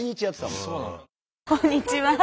こんにちは。